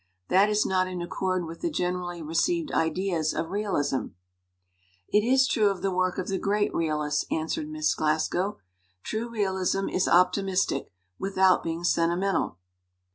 "That is not in accord with the generally received ideas of realism. 11 "It is true of the work of the great realists," answered Miss Glasgow. "True realism is op timistic, without being sentimental."